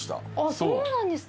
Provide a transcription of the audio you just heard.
そうなんですか。